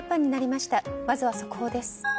まずは速報です。